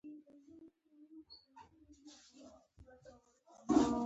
زه هم میینه وم ما مینه وکړه وه مې پالل